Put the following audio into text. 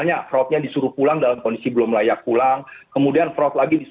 apakah itu memilih atau tidak kita sudah mulai